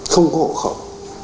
không có hộ khẩu